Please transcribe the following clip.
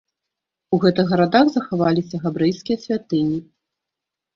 У гэтых гарадах захаваліся габрэйскія святыні.